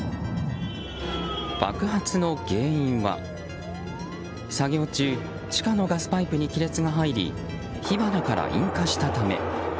爆発の原因は作業中地下のガスパイプに亀裂が入り火花から引火したため。